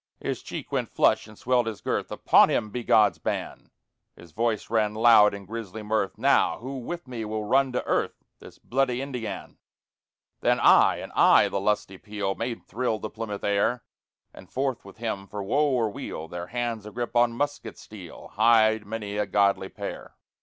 _ His cheek went flush and swelled his girth; Upon him be God's ban! His voice ran loud in grisly mirth: Now, who with me will run to earth This bloody Indiàn? Then I! and I! the lusty peal Made thrill the Plymouth air; And forth with him for woe or weal, Their hands agrip on musket steel, Hied many a godly pair.